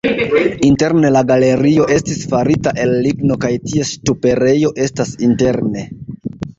Interne la galerio estis farita el ligno kaj ties ŝtuperejo estas interne.